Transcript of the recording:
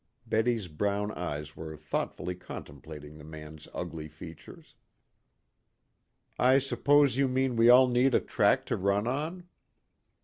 Betty's brown eyes were thoughtfully contemplating the man's ugly features. "I suppose you mean we all need a track to run on?"